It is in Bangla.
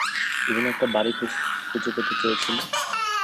তুমি না একটা বাড়ি খুঁজে পেতে চেয়েছিলে?